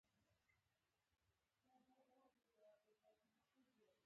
په نصیحت کښېنه، د پوهانو خبره واوره.